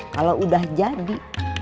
kalau udah jadi